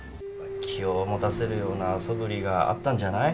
気を持たせるようなそぶりがあったんじゃない？